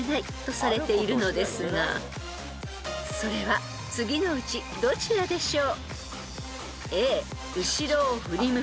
［それは次のうちどちらでしょう］